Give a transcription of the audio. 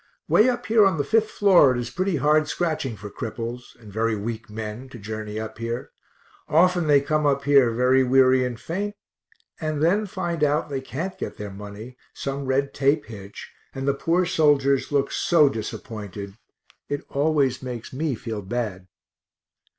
Way up here on the 5th floor it is pretty hard scratching for cripples and very weak men to journey up here often they come up here very weary and faint, and then find out they can't get their money, some red tape hitch, and the poor soldiers look so disappointed it always makes me feel bad.